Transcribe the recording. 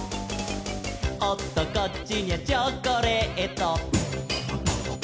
「おっとこっちにゃチョコレート」